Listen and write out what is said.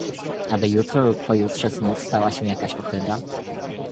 "Aby jutro lub pojutrze znów stała się jakaś ohyda?"